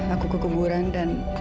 aku kekuburan dan